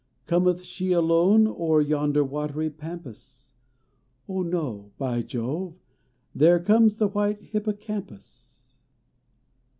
Cometh she alone o er yonder watery pampas? i. )h, no. Hy Jove! There comes the white hippocampus.